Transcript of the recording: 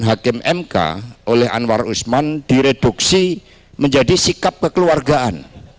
hakim mk oleh anwar usman direduksi menjadi sikap kekeluargaan